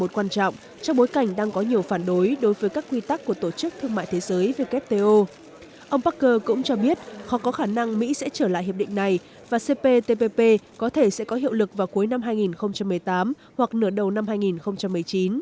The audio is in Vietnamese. ngày một quan trọng trong bối cảnh đang có nhiều phản đối đối với các quy tắc của tổ chức thương mại thế giới wto ông parker cũng cho biết họ có khả năng mỹ sẽ trở lại hiệp định này và cptpp có thể sẽ có hiệu lực vào cuối năm hai nghìn một mươi tám hoặc nửa đầu năm hai nghìn một mươi chín